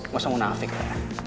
gue sama nafik ya